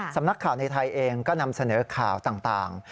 สำนักข่าวในไทยเองก็นำเสนอข่าวต่าง